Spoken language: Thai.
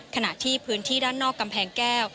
ขณะที่พื้นที่ด้านนอกกำแพงแก้ว